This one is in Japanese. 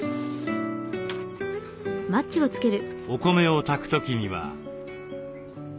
お米を炊く時には。